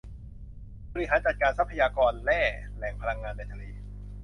บริหารจัดการทรัพยากรแร่ แหล่งพลังงาน ในทะเล